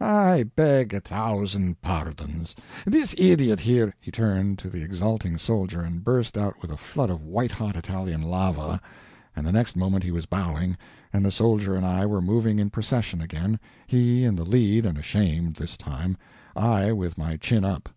I beg a thousands pardons! This idiot here " He turned to the exulting soldier and burst out with a flood of white hot Italian lava, and the next moment he was bowing, and the soldier and I were moving in procession again he in the lead and ashamed, this time, I with my chin up.